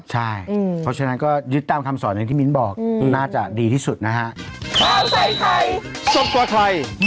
ใช่เพราะฉะนั้นก็ยึดตามคำสอนอย่างที่มิ้นบอกน่าจะดีที่สุดนะฮะ